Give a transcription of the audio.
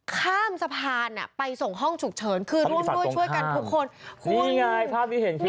ข้ามสะพานอ่ะไปส่งห้องฉุกเฉิน